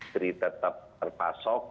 seri tetap terpasok